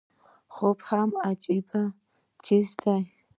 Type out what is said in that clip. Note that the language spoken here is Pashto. خوب هم عجيبه څيز دی